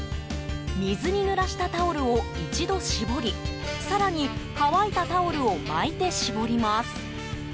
水にぬらしたタオルを一度、絞り更に、乾いたタオルを巻いて絞ります。